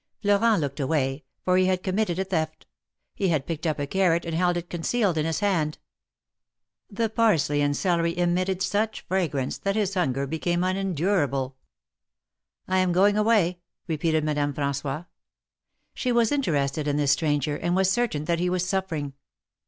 Florent looked away, for he had committed a theft. He had picked up a carrot and held it concealed in his hand. The parsley and celery emitted such fragrance that his hunger became unendurable. I am going away," repeated Madame Fran9ois. She was interested in this stranger, and was certain that he was suffering.